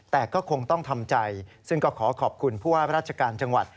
แต่ก็คงต้องทำใจซึ่งก็ขอขอบคุณผู้ว่าราชการจังหวัด